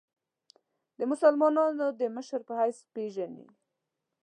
د مسلمانانو د مشر په حیث پېژني.